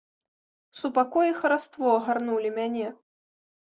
Супакой і хараство агарнулі мяне.